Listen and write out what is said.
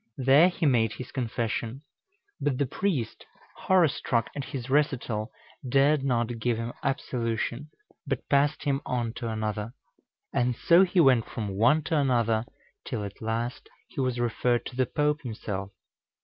There he made his confession; but the priest, horror struck at his recital, dared not give him absolution, but passed him on to another. And so he went from one to another, till at last he was referred to the Pope himself.